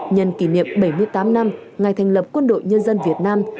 nhân kỷ niệm bảy mươi tám năm ngày thành lập quân đội nhân dân việt nam